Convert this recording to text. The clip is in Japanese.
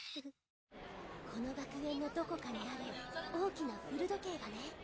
この学園のどこかにある大きな古時計がね